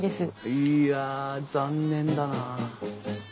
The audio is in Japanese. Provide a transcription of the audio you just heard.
いや残念だなあ。